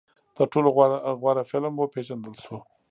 تر ټولو غوره فلم وپېژندل شو